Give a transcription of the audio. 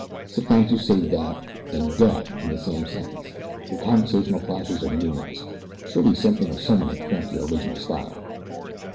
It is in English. Sometimes you say 'that' and 'dat' in the same sentence. Your conversational clashes are numerous. Surely something or someone has cramped your original style."